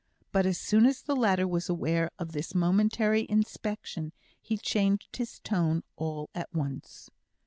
But as soon as the latter was aware of this momentary inspection, he changed his tone all at once.